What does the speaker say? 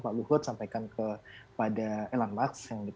pak luhut sampaikan kepada elon musk